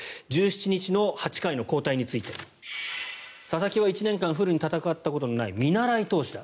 １７日の８回の交代について佐々木は１年間フルに戦ったことがない見習い投手だ。